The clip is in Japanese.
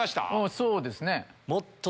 そうですね。